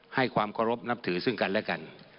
ให้ความเคารพนับถือซึ่งกันและกัน